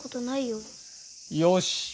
よし！